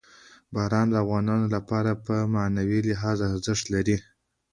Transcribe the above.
باران د افغانانو لپاره په معنوي لحاظ ارزښت لري.